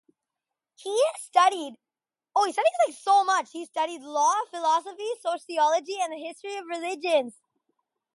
He has studied law, philosophy, sociology, and the history of religions.